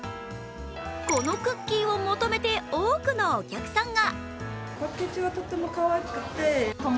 このクッキーを求めて多くのお客さんが。